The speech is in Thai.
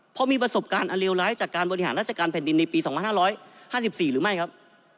เพราะมีประสบการณ์อเลวร้ายจากการบริหารราชการแผ่นดินในปี๒๕๕๔หรือไม่ครับ